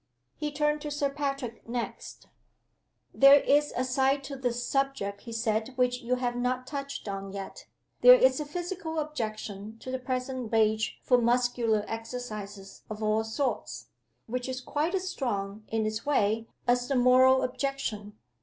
He turned to Sir Patrick next "There is a side to this subject," he said, "which you have not touched on yet. There is a Physical objection to the present rage for muscular exercises of all sorts, which is quite as strong, in its way, as the Moral objection.